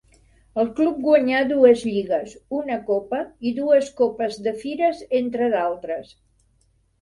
El club guanyà dues lligues, una copa i dues Copes de Fires entre d'altres.